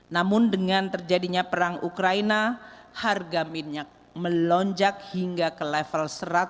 namun dengan terjadinya perang ukraina harga minyak melonjak hingga ke level satu